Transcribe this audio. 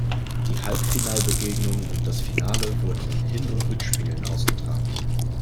Die Halbfinalbegegnungen und das Finale wurden in Hin- und Rückspielen ausgetragen.